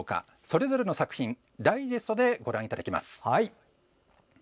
それぞれの作品ダイジェストでご覧いただきます。